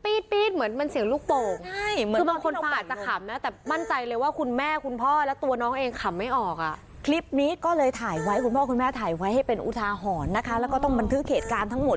เป็นอุทาหรณ์นะคะแล้วก็ต้องบันทึเกตการณ์ทั้งหมด